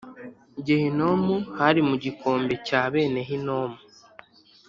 gehinomu hari mu gikombe cya bene hinomu